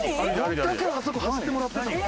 だからあそこ走ってもらってたの？